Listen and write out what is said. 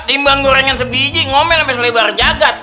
dibanding gorengan sebiji ngomel sampai selebar jagad